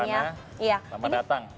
terima kasih riffana selamat datang